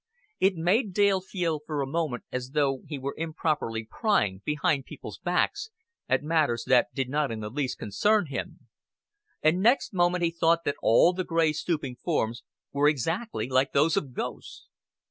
It made Dale feel for a moment as though he were improperly prying, behind people's backs, at matters that did not in the least concern him; and next moment he thought that all the gray stooping forms were exactly like those of ghosts.